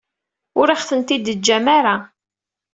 Ur aɣ-ten-id-teǧǧam ara.